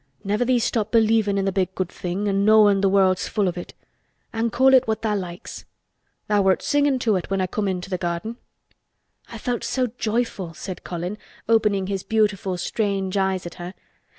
Never thee stop believin' in th' Big Good Thing an' knowin' th' world's full of it—an' call it what tha' likes. Tha' wert singin' to it when I come into th' garden." "I felt so joyful," said Colin, opening his beautiful strange eyes at her.